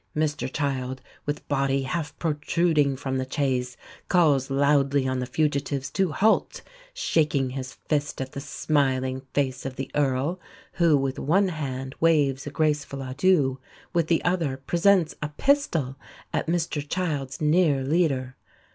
Mr Child, with body half protruding from the chaise, calls loudly on the fugitives to halt, shaking his fist at the smiling face of the Earl, who with one hand waves a graceful adieu, with the other presents a pistol at Mr Child's near leader.